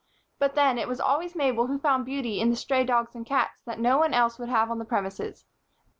But then, it was always Mabel who found beauty in the stray dogs and cats that no one else would have on the premises.